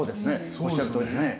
おっしゃるとおりね。